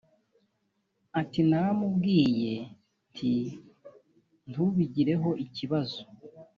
Ati “Naramubwiye nti ‘Ntubigireho ikibazo